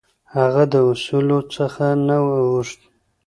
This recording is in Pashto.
هغه د اصولو څخه نه اوښت.